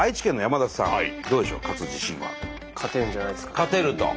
勝てると。